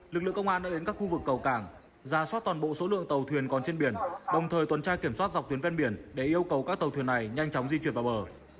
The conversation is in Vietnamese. lực lượng công an đã đến các khu vực cầu cảng ra soát toàn bộ số lượng tàu thuyền còn trên biển đồng thời tuần tra kiểm soát dọc tuyến ven biển để yêu cầu các tàu thuyền này nhanh chóng di chuyển vào bờ